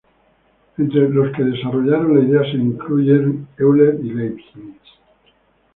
Entre los que desarrollaron la idea se incluyen Euler y Leibniz.